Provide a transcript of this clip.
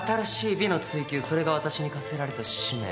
それが私に課せられた使命。